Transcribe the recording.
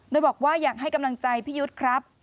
โดยบอกว่าอยากให้กำลังใจพี่ยุทธ์ครับ